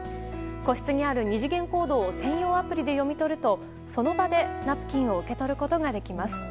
個室にある二次元コードを専用アプリで読み取るとその場で、ナプキンを受け取ることができます。